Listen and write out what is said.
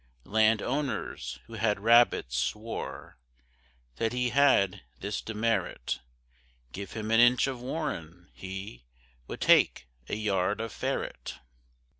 Land owners, who had rabbits, swore That he had this demerit Give him an inch of warren, he Would take a yard of ferret.